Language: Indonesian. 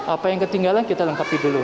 apa yang ketinggalan kita lengkapi dulu